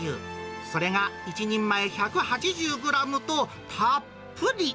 それが１人前１８０グラムと、たっぷり。